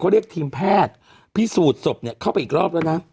เรียกทีมแพทย์พิสูจน์ศพเข้าไปอีกรอบแล้วนะ